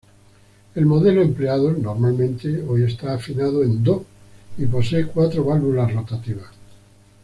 El modelo empleado normalmente hoy está afinado en "do" y posee cuatro válvulas rotativas.